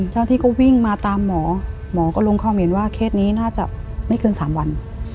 เจ้าที่ก็วิ่งมาตามหมอหมอก็ลงความเห็นว่าเคสนี้น่าจะไม่เกิน๓วัน